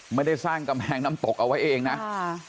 ไม่ได้สร้างกำแพงน้ำตกเอาไว้เองนะค่ะ